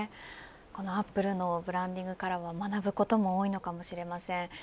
このアップルのブランディングからは学ぶことも多いのかもしれません。